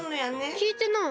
きいてない！